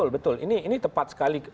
betul ini tepat sekali